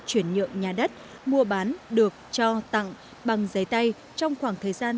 chuyển nhượng nhà đất mua bán được cho tặng bằng giấy tay trong khoảng thời gian